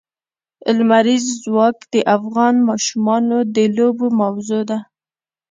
لمریز ځواک د افغان ماشومانو د لوبو موضوع ده.